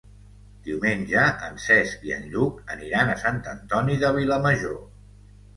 Diumenge en Cesc i en Lluc aniran a Sant Antoni de Vilamajor.